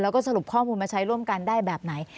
แล้วก็สรุปข้อมูลมาใช้ร่วมกันได้แบบไหน